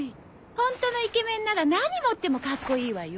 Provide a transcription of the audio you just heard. ホントのイケメンなら何持ってもかっこいいわよ。